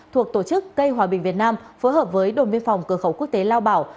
thuộc tổ chức cây hòa bình việt nam phối hợp với đồn biên phòng cửa khẩu quốc tế lao bảo